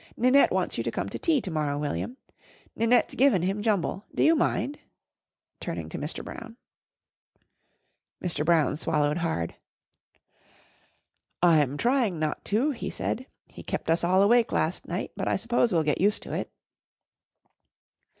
Ninette wants you to come to tea to morrow, William. Ninette's given him Jumble. Do you mind?" turning to Mr. Brown. Mr. Brown swallowed hard. "I'm trying not to," he said. "He kept us all awake last night, but I suppose we'll get used to it."